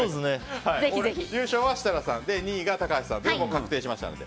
優勝は設楽さんで２位が高橋さん確定しましたので。